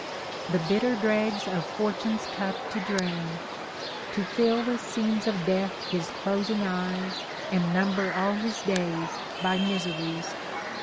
The bitter dregs of Fortune's cup to drain : To fill with scenes of death his closing eyes, And number all his days by miseries